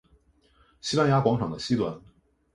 西班牙广场的西端。